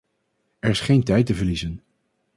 Er is geen tijd te verliezen.